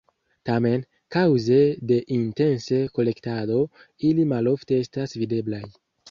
Tamen, kaŭze de intense kolektado, ili malofte estas videblaj.